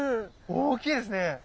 大きいですね！